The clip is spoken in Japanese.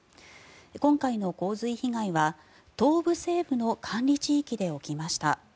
今回の洪水被害は東部政府の管理地域で起きました。